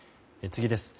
次です。